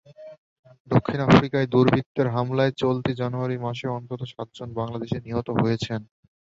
দক্ষিণ আফ্রিকায় দুর্বৃত্তদের হামলায় চলতি জানুয়ারি মাসে অন্তত সাতজন বাংলাদেশি নিহত হয়েছেন।